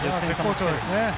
絶好調ですね。